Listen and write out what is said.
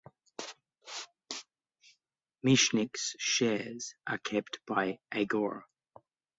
Michnik's shares are kept by Agora.